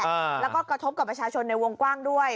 กระทบกับประชาชนในวงกว้างด้วย